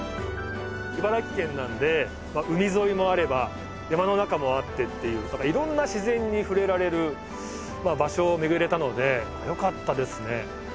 茨城県なんで海沿いもあれば山の中もあってっていういろんな自然に触れられる場所を巡れたのでよかったですね。